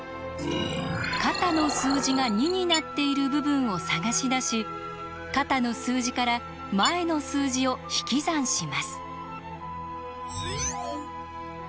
肩の数字が２になっている部分を探し出し肩の数字から前の数字を引き算します。